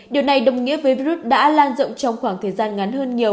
điều này đồng nghĩa với virus đã lan rộng trong khoảng thời gian ngắn hơn nhiều